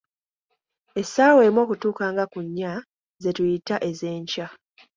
Essaawa emu okutuuka nga ku nnya, ze tuyita ez'enkya.